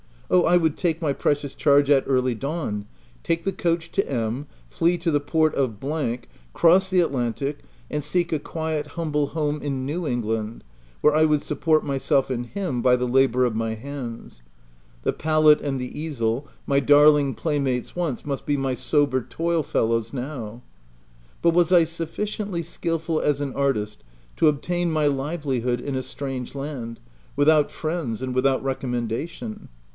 Oh, I would take my precious charge at OF WILDFELL HALL. 31 early dawn, take the coach to M , flee to the port of , cross the Atlantic, and seek a quiet, humble home in new England, where I would support myself and him by the labour of my hands. The palette and the easel, my darling playmates once, must be my sober toil fellows now. But was I sufficiently skilful as an artist to obtain my livelihood in a strange land, with out friends and without recommendation